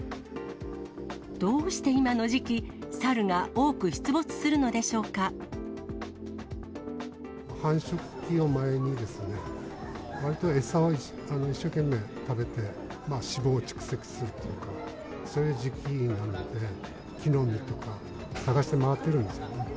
どうして今の時期、繁殖期を前に、わりと餌を一生懸命食べて、脂肪を蓄積するという、そういう時期なので、木の実とか探して回ってるんですね。